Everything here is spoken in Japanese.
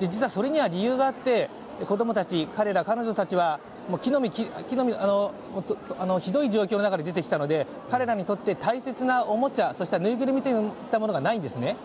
実はそれには理由があって子供たち、彼ら彼女たちはひどい状況の中で出てきたので、彼らにとって大切なおもちゃ、ぬいぐるみといったものがないんですね。